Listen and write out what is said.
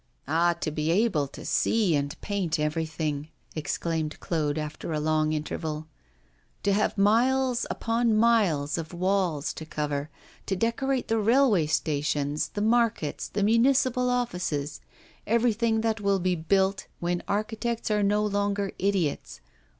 'Ah, to be able to see and paint everything,' exclaimed Claude, after a long interval. 'To have miles upon miles of walls to cover, to decorate the railway stations, the markets, the municipal offices, everything that will be built, when architects are no longer idiots.